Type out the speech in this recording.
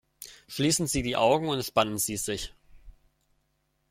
Schließen Sie die Augen und entspannen Sie sich!